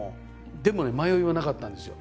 でもね迷いはなかったんですよ。